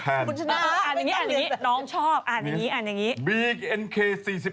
อ่านอย่างนี้น้องชอบอ่านอย่างนี้